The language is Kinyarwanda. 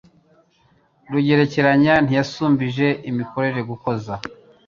Rugerekeranya ntiyashumbije Mikore gukoza,